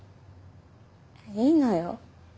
いいのよ。